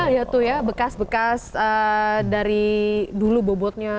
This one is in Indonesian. iya tuh ya bekas bekas dari dulu bobotnya